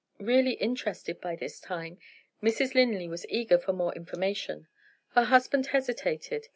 Really interested by this time, Mrs. Linley was eager for more information. Her husband hesitated.